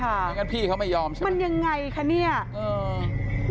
เพราะฉะนั้นพี่เขาไม่ยอมใช่ไหมมันยังไงคะเนี้ยอืม